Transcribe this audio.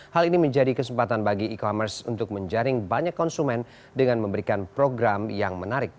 hal ini menjadi kesempatan bagi e commerce untuk menjaring banyak konsumen dengan memberikan program yang menarik